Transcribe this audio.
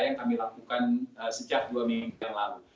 yang kami lakukan sejak dua minggu yang lalu